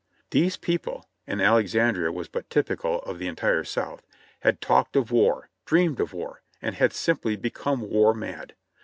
These people (and Alexandria was but typical of the entire South) had talked of war, dreamed of war, and had simpl}^ be come war mad.